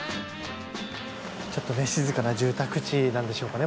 ちょっとね静かな住宅地なんでしょうかね